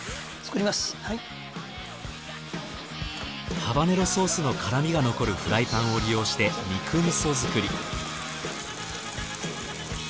ハバネロソースの辛味が残るフライパンを利用して肉味噌作り。